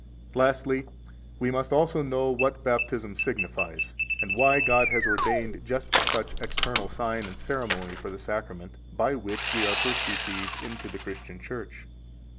64 Lastly, we must also know what Baptism signifies, and why God has ordained just such external sign and ceremony for the Sacrament by which we are first received into the Christian Church.